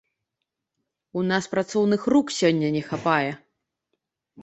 У нас працоўных рук сёння не хапае.